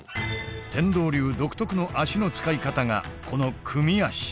天道流独特の足の使い方がこの組み足。